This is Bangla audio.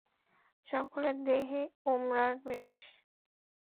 সকলের দেহে উমরার বেশ।